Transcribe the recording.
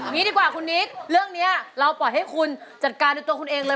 นี่ดีกว่าคุณนิสเหลือนี้เราปลอดให้คุณจัดการด้วยตัวคุณเองเลย